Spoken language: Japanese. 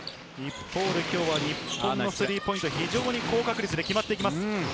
日本のスリーポイント、非常に高確率で決まってきます。